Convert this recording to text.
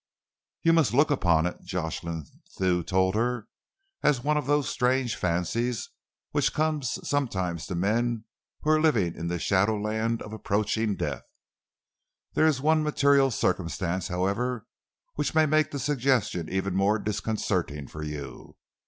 "You must look upon it," Jocelyn Thew told her, "as one of those strange fancies which comes sometimes to men who are living in the shadowland of approaching death. There is one material circumstance, however, which may make the suggestion even more disconcerting for you.